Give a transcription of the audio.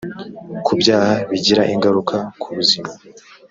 ku byaha bigira ingaruka ku buzima